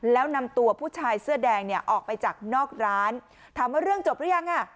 แล้วนำตัวผู้ชายเสื้อแดงเนี่ยออกไปจากนอกร้านถามว่าเรื่องจบหรือยังอ่ะ